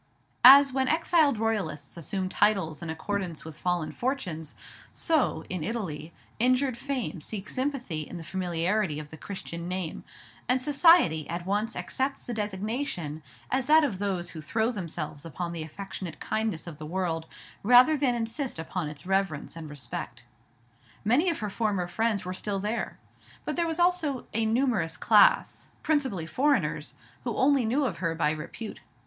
As when exiled royalists assume titles in accordance with fallen fortunes, so, in Italy, injured fame seeks sympathy in the familiarity of the Christian name, and "Society" at once accepts the designation as that of those who throw themselves upon the affectionate kindness of the world, rather than insist upon its reverence and respect. Many of her former friends were still there; but there was also a numerous class, principally foreigners, who only knew of her by repute.